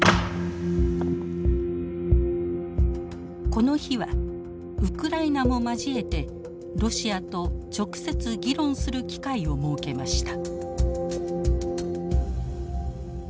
この日はウクライナも交えてロシアと直接議論する機会を設けました。